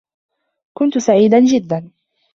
كنت سعيدا جدا.